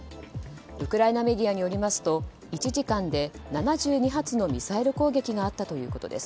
ウクライナメディアによりますと、１時間で７２発のミサイル攻撃があったということです。